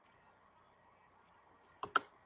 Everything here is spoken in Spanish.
Está casado y posee tres hijos.